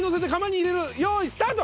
用意スタート！